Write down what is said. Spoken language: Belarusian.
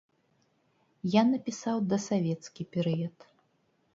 Я напісаў дасавецкі перыяд.